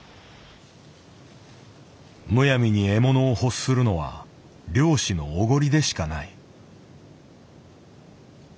むやみに獲物を欲するのは猟師のおごりでしかない。